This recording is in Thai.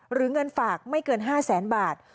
หรือเงินฝากไม่เกิน๕แสนบาท